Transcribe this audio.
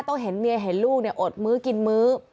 เห็นเมียเห็นลูกอดมื้อกินมื้อ